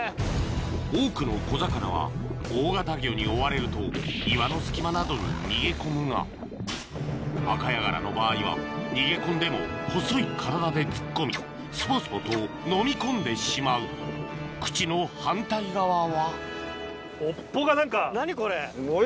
多くの小魚は大型魚に追われると岩の隙間などに逃げ込むがアカヤガラの場合は逃げ込んでも細い体で突っ込みスポスポとのみこんでしまう口の反対側は何？